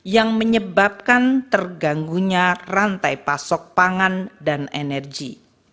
yang menyebabkan terganggunya rantai pasok pangan dan energi